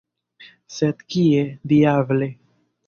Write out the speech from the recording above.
Sed kie, diable!